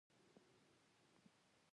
زه د خدای شکر ادا کوم.